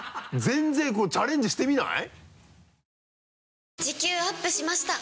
全然このチャレンジしてみない？